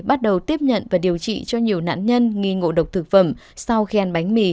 bắt đầu tiếp nhận và điều trị cho nhiều nạn nhân nghi ngộ độc thực phẩm sau khi ăn bánh mì